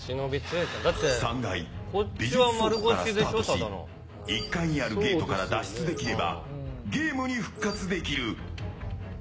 ３階、美術倉庫からスタートし１階にあるゲートから脱出できればゲームに復活できる。